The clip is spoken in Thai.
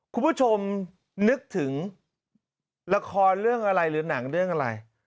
คุณผู้ชมนึกถึงละครเรื่องอะไรหรือหนังเรื่องอะไร